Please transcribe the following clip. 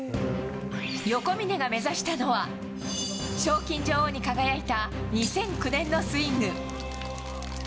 横峯が目指したのは、賞金女王に輝いた２００９年のスイング。